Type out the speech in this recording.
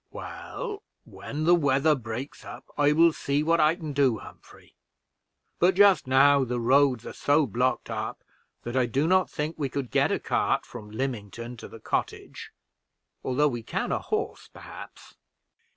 "Well, when the weather breaks up, I will see what I can do, Humphrey; but just now the roads are so blocked up, that I do not think we could get a cart from Lymington to the cottage, although we can a horse, perhaps."